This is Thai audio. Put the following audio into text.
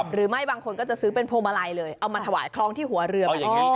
หรือไม่บางคนก็จะซื้อเปลี่ยนโพมะลายเลยเอามาถวายครองที่หัวเรือ